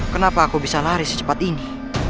kenapa aku bisa lari secepat ini